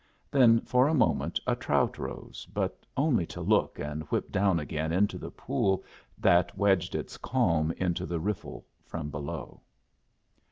Then for a moment a trout rose, but only to look and whip down again into the pool that wedged its calm into the riffle from below.